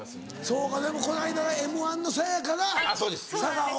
そうかでもこの間『Ｍ−１』のさや香が佐賀を。